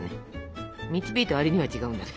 導いた割には違うんだね。